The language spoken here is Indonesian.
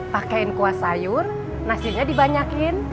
pakaiin kuah sayur nasinya dibanyakin